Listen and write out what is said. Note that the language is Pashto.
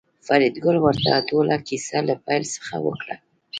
فریدګل ورته ټوله کیسه له پیل څخه وکړه